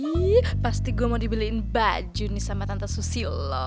hai pasti gua mau dibeliin baju nih sama tante susilo